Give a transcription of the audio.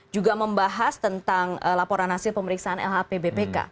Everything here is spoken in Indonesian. juga membahas tentang laporan hasil pemeriksaan lhpbp